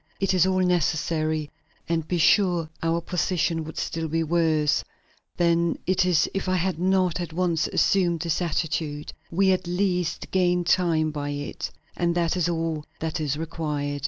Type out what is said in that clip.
It is all necessary, and be sure our position would be still worse than it is if I had not at once assumed this attitude; we at least gain time by it, and that is all that is required.